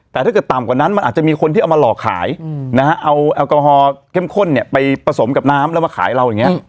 แต่ถ้าเกิดต่ำกว่านั้นมันอาจจะมีคนที่เอามาหลอกขายนะฮะเอาแอลกอฮอลเข้มข้นเนี่ยไปผสมกับน้ำแล้วมาขายเราอย่างนี้